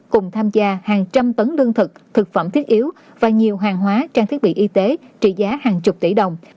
cùng tham gia hàng trăm tấn lương thực thực phẩm thiết yếu và nhiều hàng hóa trang thiết bị y tế trị giá hàng chục tỷ đồng